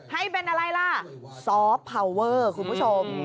ให้เป็นอะไรล่ะซอฟต์พาวเวอร์คุณผู้ชม